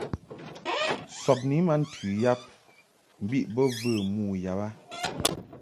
Sɔbni ma ntɨ yab mbiʼ bo və mo yab a.